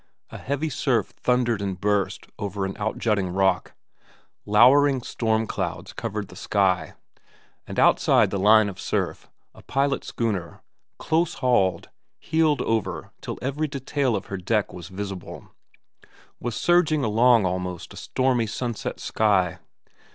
A heavy surf thundered and burst over an outjutting rock; lowering storm clouds covered the sky; and, outside the line of surf, a pilot schooner, close hauled, heeled over till every detail of her deck was visible, was surging along against a stormy sunset sky.